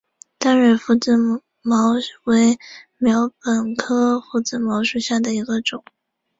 单蕊拂子茅为禾本科拂子茅属下的一个种。